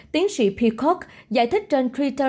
tiến sĩ peacock giải thích trên twitter